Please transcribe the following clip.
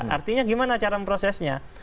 artinya gimana cara memprosesnya